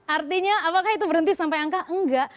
artinya apakah itu berhenti sampai angka enggak